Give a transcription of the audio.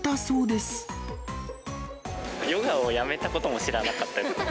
ヨガをやめたことも知らなかったです。